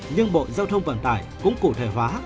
nhưng bộ giao thông vận tải cũng cụ thể hóa